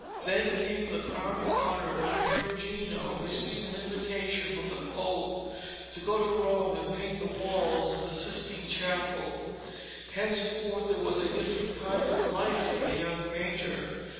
Then came the crowning honour when Perugino received an invitation from the Pope to go to Rome and paint the walls of the Sistine Chapel. Hence forth it was a different kind of life for the young painter.